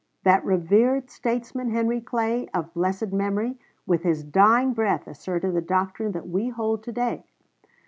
That revered statesman, Henry Clay, of blessed memory, with his dying breath asserted the doctrine that we hold to day....